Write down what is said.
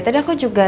tadi aku juga